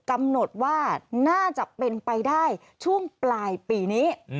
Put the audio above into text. กำหนดว่าน่าจะเป็นไปได้ช่วงปลายปีนี้